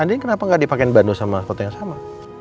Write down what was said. andien kenapa nggak dipakein bando sama sepatunya sama